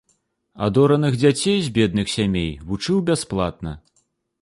Адораных дзяцей з бедных сямей вучыў бясплатна.